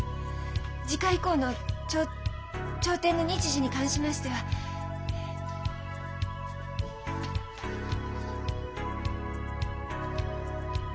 次回以降のちょ調停の日時に関しましてはえっと。